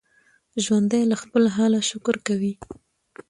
ژوندي له خپل حاله شکر کوي